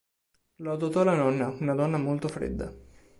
Lo adottò la nonna, una donna molto fredda.